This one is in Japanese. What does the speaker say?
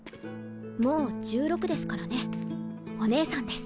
もう１６ですからねお姉さんです。